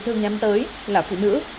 thường nhắm tới là phụ nữ